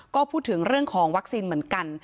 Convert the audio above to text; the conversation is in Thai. ก็พูดถึงเรื่องของวัคซีนเหมือนกัน